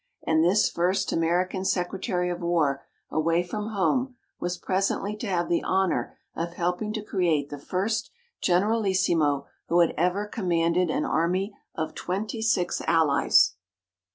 And this first American Secretary of War away from home was presently to have the honor of helping to create the first generalissimo who had ever commanded an army of twenty six allies.